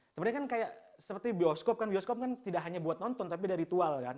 sebenarnya kan kayak seperti bioskop kan bioskop kan tidak hanya buat nonton tapi ada ritual kan